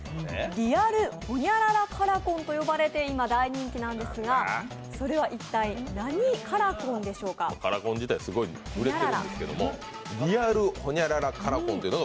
リアルほにゃららカラコンと呼ばれて今、大人気なんですがそれは一体、何カラコンで紹介しか？